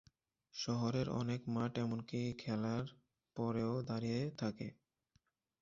শহরের অনেক মাঠ এমনকি খেলার পরেও দাঁড়িয়ে থাকে।